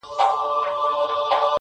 غلیم کور په کور حلوا وېشل پښتونه,